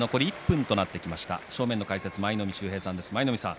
正面の解説は舞の海さんです。